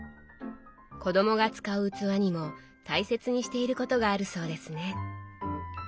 子どもが使う器にも大切にしていることがあるそうですね？